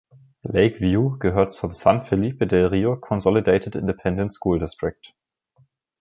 Lake View gehört zum San Felipe Del Rio Consolidated Independent School District.